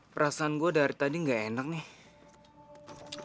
perasaan gue dari tadi nggak enak nih